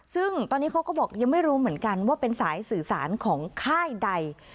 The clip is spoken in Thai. ซึ่งตอนนี้เขาก็บอกยังไม่รู้เหมือนกันว่าเป็นสายสื่อสารของค่ายใด